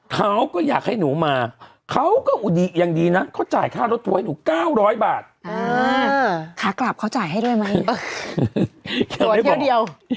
เขาก็อยากให้หนูมาเขาก็อย่างดีนะเขาจ่ายค่ารถตัวให้หนูเก้าร้อยบาทอ่าขากลับเขาจ่ายให้ด้วยไหมตัวเที่ยวเดียว